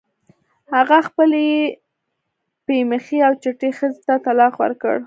هغه خپلې پی مخې او چټې ښځې ته طلاق ورکړ.